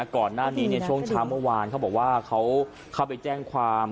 ก่อนหน้านี้ในช่วงเช้าเมื่อวานเขาบอกว่าเขาเข้าไปแจ้งความ